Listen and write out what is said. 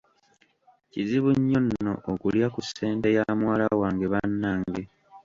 Kizibu nnyo nno okulya ku ssente ya muwala wange bannange.